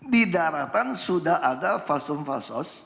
di daratan sudah ada fasum fasos